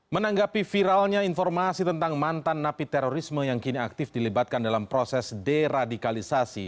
menanggapi viralnya informasi tentang mantan napi terorisme yang kini aktif dilibatkan dalam proses deradikalisasi